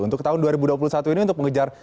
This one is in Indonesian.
untuk tahun dua ribu dua puluh satu ini untuk mengejar